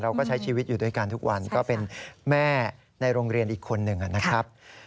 เราก็ใช้ชีวิตอยู่ด้วยกันทุกวันก็เป็นแม่ในโรงเรียนอีกคนหนึ่งนะครับ